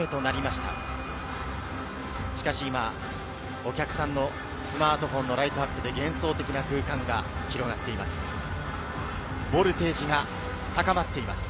しかし今、お客さんのスマートフォンのライトアップで幻想的な空間が広がっています。